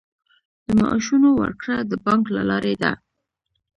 د معاشونو ورکړه د بانک له لارې ده